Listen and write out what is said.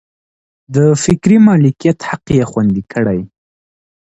د فکري مالکیت حق یې خوندي کړي.